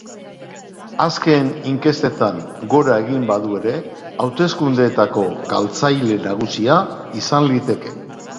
Azken inkestetan gora egin badu ere, hauteskundeetako galtzaile nagusia izan liteke.